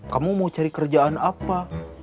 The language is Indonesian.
kamu mau cari kerjaan apa